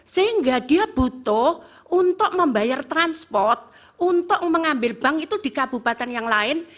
sehingga dia butuh untuk membayar transport untuk mengambil bank itu di kabupaten yang lain